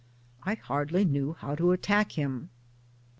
I hardly knew how to attack him.